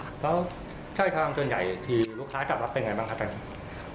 แล้วสายทองเกินใหญ่ที่ลูกค้าจับรับเป็นอย่างไรบ้างคะแปง